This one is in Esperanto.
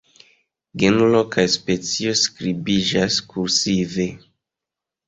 Genro kaj specio skribiĝas kursive.